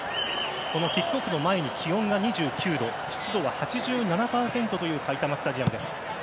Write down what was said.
キックオフ前に気温が２９度湿度は８７％という埼玉スタジアムです。